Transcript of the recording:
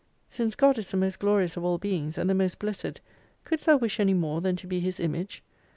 Since GOD is the most 48 Glorious of all Beings, and the most blessed, couldst thou wish any more than to be His IMAGE